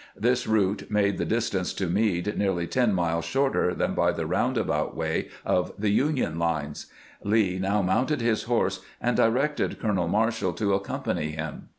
This route made the distance to Meade nearly ten miles shorter than by the roundabout way of the Union lines. Lee now mounted his horse, and directed Colonel Marshall to accompany him.